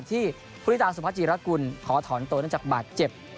ที่ภูริตาสุภาจีรกุลขอถอนตัวเนื่องจากบาดเจ็บ